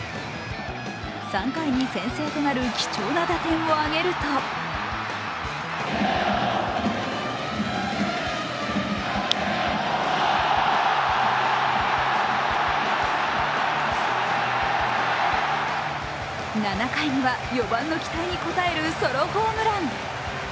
３回に先制となる貴重な打点を挙げると７回には、４番の期待に応えるソロホームラン。